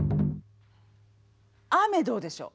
雨どうでしょう？